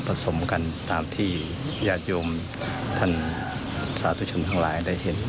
การผสมรูปผสมกันตามที่ยาดยมท่านสาธุชมทั้งหลายได้เห็น